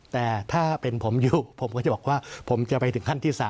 แต่ถ้าเป็นผมอยู่ผมก็จะบอกว่าผมจะไปถึงขั้นที่๓